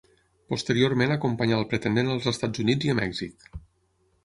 Posteriorment acompanyà al pretendent als Estats Units i a Mèxic.